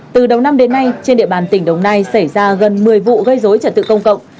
từ đầu năm đến nay trên địa bàn tỉnh đồng nai xảy ra gần một mươi vụ gây dối trật tự công cộng